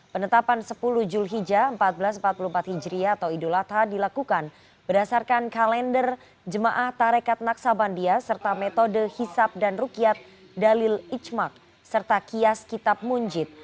penetapan sepuluh julhijah seribu empat ratus empat puluh empat hijriah atau idul adha dilakukan berdasarkan kalender jemaah tarekat naksabandia serta metode hisap dan rukyat dalil ijmak serta kias kitab munjid